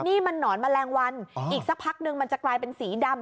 นี่มันหนอนแมลงวันอีกสักพักนึงมันจะกลายเป็นสีดำ